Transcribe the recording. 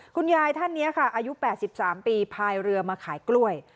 คุณยายท่านนี้ค่ะอายุ๘๓ปีพายเรือมาขายกล้วย